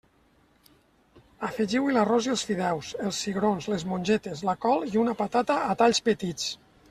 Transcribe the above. Afegiu-hi l'arròs i els fideus, els cigrons, les mongetes, la col i una patata a talls petits.